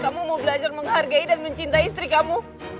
kamu mau belajar menghargai dan mencintai istri kamu